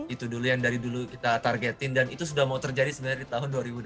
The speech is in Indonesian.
itu dulu yang dari dulu kita targetin dan itu sudah mau terjadi sebenarnya di tahun dua ribu delapan belas